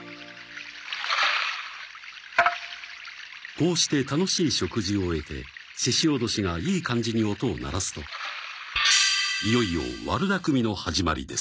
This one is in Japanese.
こうして楽しい食事を終えてししおどしがいい感じに音を鳴らすといよいよ悪巧みの始まりです。